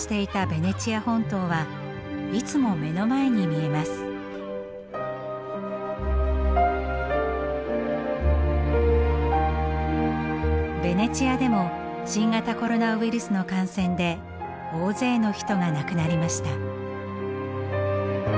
ベネチアでも新型コロナウイルスの感染で大勢の人が亡くなりました。